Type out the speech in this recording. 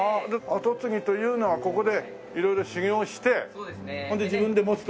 跡継ぎというのはここで色々修業してほんで自分で持つと店を。